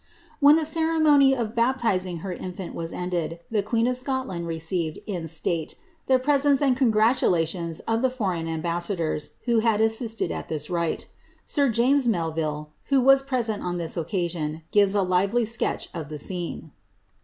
When the ceremony of baptizing her infant was ended, the queen M Scolianil reeeivc<i, in sl.ile, the presents and congralu la lions of li.e foreign ambasBadors who had assisted at this rile. Sir James Melvilk. who was present on this occasion, gives a lively sketch of the scene.